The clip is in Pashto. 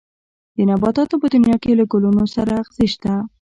د نباتاتو په دنيا کې له ګلونو سره ازغي شته.